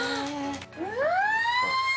うわ！